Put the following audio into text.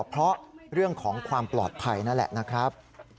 เพราะเรื่องของความปลอดภัยนั่นแหละนะครับ